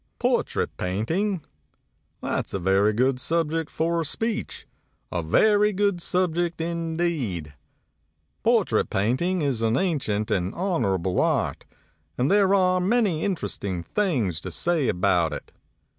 "Portrait painting ? That's a good subject for a speech, a very good subject indeed. Portrait painting is an ancient and honorable art, and there are many interesting things to say about it.